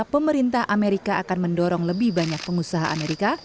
pemerintah amerika akan mendorong lebih banyak pengusaha amerika